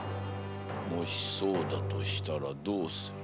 もしそうだとしたらどうする？